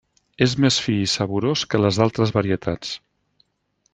És més fi i saborós que les d’altres varietats.